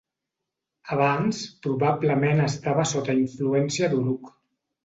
Abans probablement estava sota influència d'Uruk.